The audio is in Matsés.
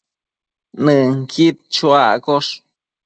Nënquid chuaccosh